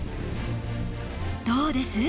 どうです？